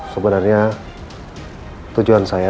sebenarnya tujuan saya